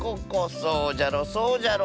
そうじゃろそうじゃろ。